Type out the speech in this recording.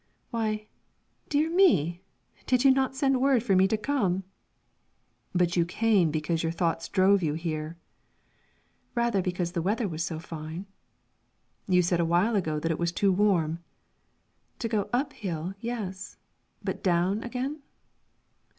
"Why, dear me! did you not send word for me to come?" "But you came because your thoughts drove you here." "Rather because the weather was so fine." "You said a while ago that it was too warm." "To go up hill, yes; but down again?"